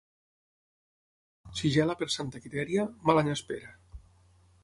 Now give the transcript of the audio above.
Si gela per Santa Quitèria, mal any espera.